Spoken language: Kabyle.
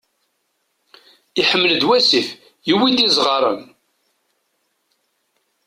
Iḥmel-d wasif, yuwi-d izeɣran.